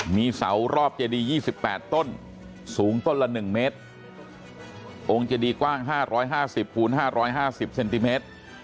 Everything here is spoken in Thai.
มีเสารอบเจดี๒๘ต้นสูงต้นละ๑เมตรองค์เจดีกว้าง๕๕๐คูณ๕๕๐เซนติเมตร